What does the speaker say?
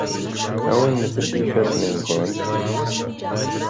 Awimt-d ifassen-nwent.